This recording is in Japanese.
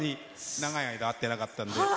長い間、会ってなかったんで。